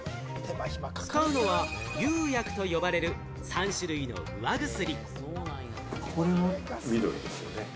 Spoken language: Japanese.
使うのは釉薬と呼ばれる３種類のうわ薬。